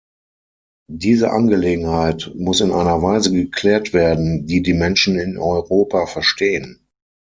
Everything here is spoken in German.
Diese Angelegenheit muss in einer Weise geklärt werden, die die Menschen in Europa verstehen.